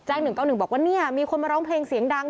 ๑๙๑บอกว่าเนี่ยมีคนมาร้องเพลงเสียงดัง